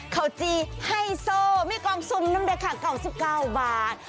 ข้าวจีให้โซไม่กล้องซุ่มน้ำด้วยค่ะเก่าสิบเก้าบาท